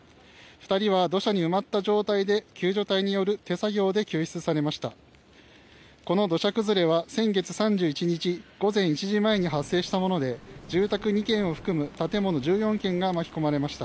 ２人は土砂に埋まった状態で救助隊による手作業で救出されました。